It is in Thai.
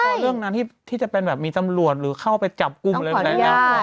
ก็เรื่องนั้นที่จะเป็นแบบมีตำรวจหรือเข้าไปจับกุ้งอะไรไร